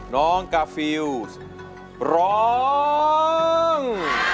น้องกาฟิลส์ร้อง